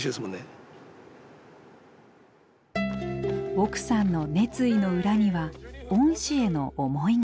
奥さんの熱意の裏には恩師への思いが。